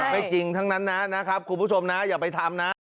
จริงทั้งนั้นนะนะครับคุณผู้ชมนะอย่าไปทำนะ